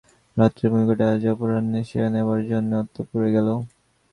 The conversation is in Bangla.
রাত্রের ভূমিকাটা আজ অপরাহ্নে সেরে নেবার জন্যে অন্তঃপুরে গেল।